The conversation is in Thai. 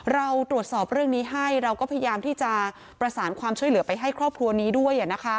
เราตรวจสอบเรื่องนี้ให้เราก็พยายามที่จะประสานความช่วยเหลือไปให้ครอบครัวนี้ด้วย